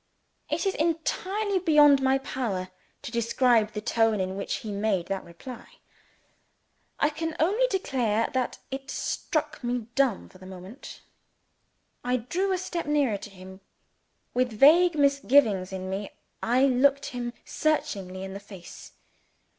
It is entirely beyond my power to describe the tone in which he made that reply. I can only declare that it struck me dumb for the moment. I drew a step nearer to him. With vague misgivings in me, I looked him searchingly in the face.